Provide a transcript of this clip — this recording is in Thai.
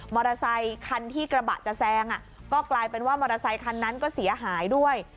อเตอร์ไซคันที่กระบะจะแซงก็กลายเป็นว่ามอเตอร์ไซคันนั้นก็เสียหายด้วย